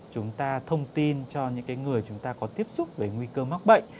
chúng ta thông tin cho những người chúng ta có tiếp xúc với nguy cơ mắc bệnh